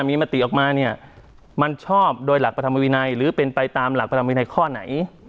มีมติออกมาเนี่ยมันชอบโดยหลักพระธรรมวินัยหรือเป็นไปตามหลักพระธรรมวินัยข้อไหน